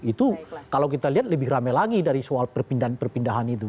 itu kalau kita lihat lebih rame lagi dari soal perpindahan perpindahan itu